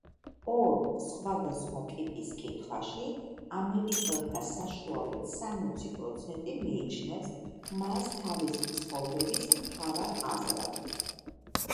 ორ სხვადასხვა ტიპის კითხვაში ამერიკელთა საშუალოდ სამოცი პროცენტი მიიჩნევს მას თავისი ცხოვრების მთავარ აზრად.